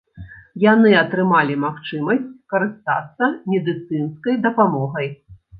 Яны атрымалі магчымасць карыстацца медыцынскай дапамогай.